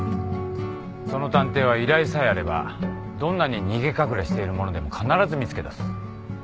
その探偵は依頼さえあればどんなに逃げ隠れしている者でも必ず見つけだす。